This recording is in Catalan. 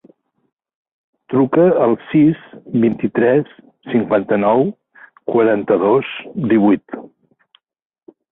Truca al sis, vint-i-tres, cinquanta-nou, quaranta-dos, divuit.